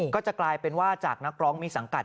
ก็จะกลายเป็นว่าจากนักร้องมีสังกัด